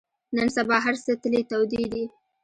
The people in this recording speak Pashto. نن سبا هر څه تلې تودې دي.